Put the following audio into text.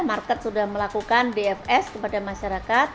market sudah melakukan dfs kepada masyarakat